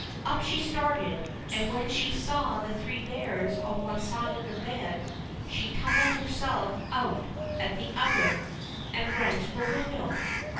Up she started, and when she saw the Three Bears on one side of the bed, she tumbled herself out at the other, and ran to the window.